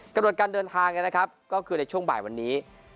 หดการเดินทางนะครับก็คือในช่วงบ่ายวันนี้